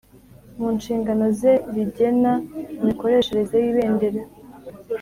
Mu nshingano ze rigena imikoreshereze y’Ibendera